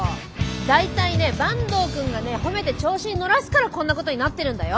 大体ね坂東くんがね褒めて調子に乗らすからこんなことになってるんだよ。